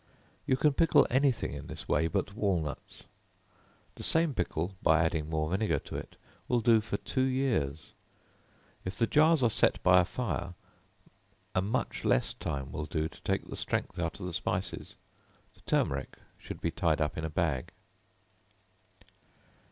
You can pickle any thing in this way but walnuts. The same pickle, by adding more vinegar to it, will do for two years; if the jars are set by a fire, a much less time will do to take the strength out of the spices; the turmeric should be tied up in a bag.